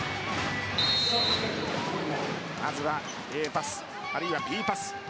まずはＡパス、あるいはＢパス。